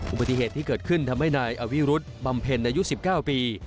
อุบัติเหตุที่เกิดขึ้นทำให้นายอวิรุธบำเพ็ญอายุ๑๙ปี